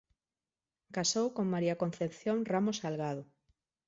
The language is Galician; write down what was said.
Casou con María Concepción Ramos Salgado.